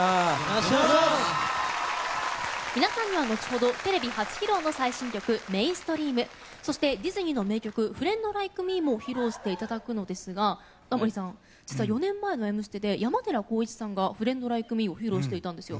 皆さんには後ほどテレビ初披露の最新曲「Ｍａｉｎｓｔｒｅａｍ」そして、ディズニーの名曲「フレンド・ライク・ミー」も披露していただくのですがタモリさん実は４年前の「Ｍステ」で山寺宏一さんが「フレンド・ライク・ミー」を披露していたんですよ。